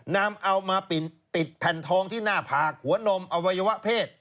นำเอามาปิดแผ่นทองที่หน้าผากหัวนมอวัยวะเพศ